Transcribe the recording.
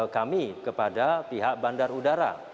kami kepada pihak bandar udara